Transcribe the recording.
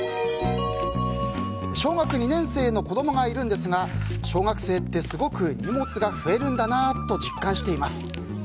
小学２年生の子供がいるんですが小学生ってすごく荷物が増えるんだなと実感しています。